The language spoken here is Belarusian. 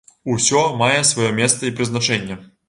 Усё мае сваё месца і прызначэнне.